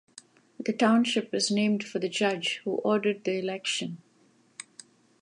The township is named for the judge who ordered the election.